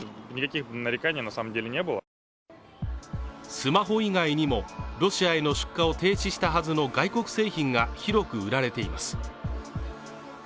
スマホ以外にもロシアへの出荷を停止したはずの外国製品が広く売られています